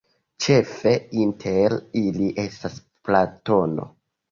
Ĉefe inter ili estas Platono.